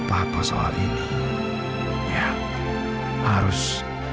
kamu masih pularas